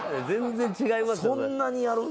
全然違いますよ。